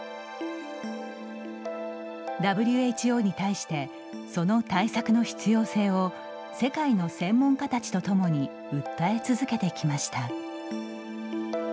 ＷＨＯに対してその対策の必要性を世界の専門家たちと共に訴え続けてきました。